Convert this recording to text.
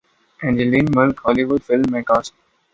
Angeline Malik Hollywood film میں cost